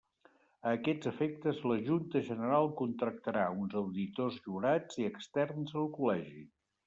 A aquests efectes, la Junta General contractarà uns auditors jurats i externs al Col·legi.